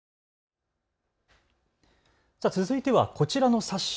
続いてはこちらの冊子。